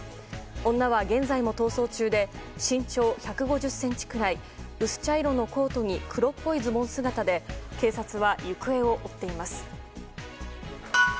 女は現在も逃走中で身長１５０ｃｍくらい薄茶色のコートに黒っぽいズボン姿で警察は行方を追っています。